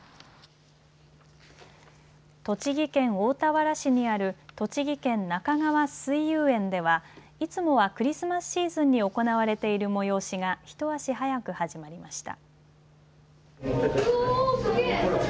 栃木県大田原市にある栃木県なかがわ水遊園ではいつもはクリスマスシーズンに行われている催しが一足早く始まりました。